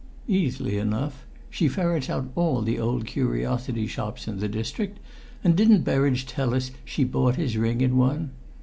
"Easily enough; she ferrets out all the old curiosity shops in the district, and didn't Berridge tell us she bought his ring in one?